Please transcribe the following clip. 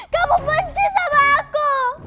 kamu benci sama aku